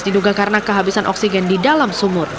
diduga karena kehabisan oksigen di dalam sumur